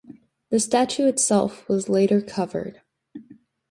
The statue itself was later covered.